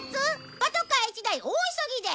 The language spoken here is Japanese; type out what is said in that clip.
パトカー１台大急ぎで！